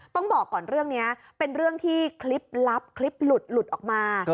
ต้องบอกก่อนเรื่องนี้เป็นเรื่องที่คลิปลับคลิปหลุดออกมา